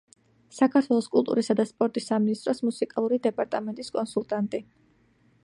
საქართველოს კულტურისა და სპორტის სამინისტროს მუსიკალური დეპარტამენტის კონსულტანტი.